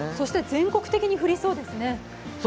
全国的に降りそうですね。